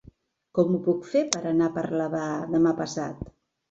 Com ho puc fer per anar a Parlavà demà passat?